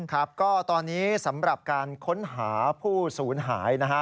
ก็ตอนนี้สำหรับการค้นหาผู้สูญหาย